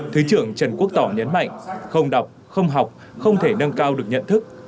thứ trưởng trần quốc tỏ nhấn mạnh không đọc không học không thể nâng cao được nhận thức